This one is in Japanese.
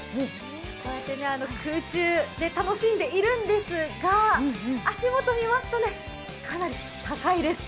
こうやって空中で楽しんでいるんですが、足元見ますとかなり高いです。